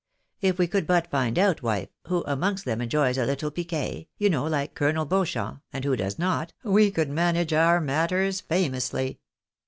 If we could but find out, wife, who amongst them enjoys a little piquet, you know, like Colonel Beauchamp, and who does not, we could man age our matters famously.